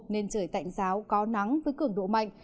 nên trời tạnh giáo có nắng với cường độ mạnh